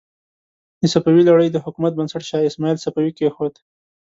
د صفوي لړۍ د حکومت بنسټ شاه اسماعیل صفوي کېښود.